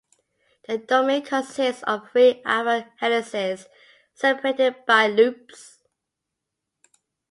The domain consists of three alpha helices separated by loops.